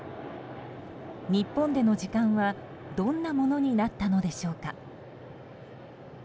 日本での時間はどんなものになったのでしょうか？